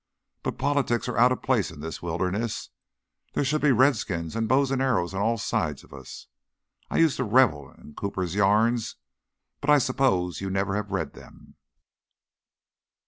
But politics are out of place in this wilderness. There should be redskins and bows and arrows on all sides of us. I used to revel in Cooper's yarns, but I suppose you never have read them."